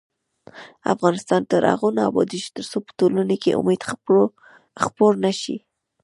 افغانستان تر هغو نه ابادیږي، ترڅو په ټولنه کې امید خپور نشي.